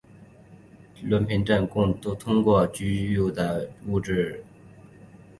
振动频率可以提供震波来源和通过区域的物质密度。